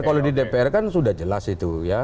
kalau di dpr kan sudah jelas itu ya